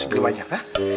segitu banyak ha